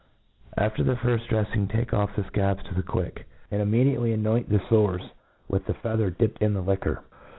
After the firft drcfling, take off the fcabs to the quick ; and immediately anoint the fores with the feather dipped in the liquor.